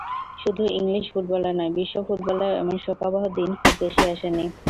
শুধু ইংলিশ ফুটবলে নয়, বিশ্ব ফুটবলেও এমন শোকাবহ দিন খুব বেশি আসেনি।